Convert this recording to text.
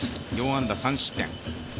４安打３失点。